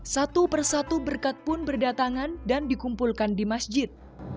satu persatu berkat pun berdatangan dan dikumpulkan di masjid